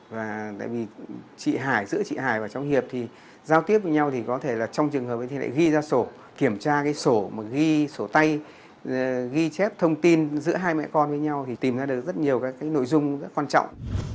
và tại vì chị hải giữa chị hải và cháu hiệp thì giao tiếp với nhau thì có thể là trong trường hợp thì lại ghi ra sổ kiểm tra cái sổ ghi sổ tay ghi chép thông tin giữa hai mẹ con với nhau thì tìm ra được rất nhiều các cái nội dung rất quan trọng